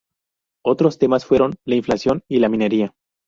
Otros temas fueron la inflación y la minería.